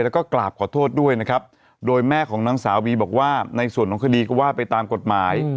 แล้วก็กราบขอโทษด้วยนะครับโดยแม่ของนางสาวบีบอกว่าในส่วนของคดีก็ว่าไปตามกฎหมาย